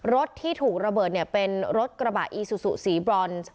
รถที่ถูกระเบิดเนี่ยเป็นรถกระบะอีซูซูสีบรอน